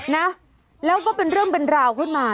นะแล้วก็เป็นเรื่องเป็นราวขึ้นมา